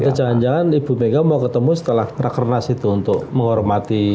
atau jangan jangan ibu mega mau ketemu setelah rakernas itu untuk menghormati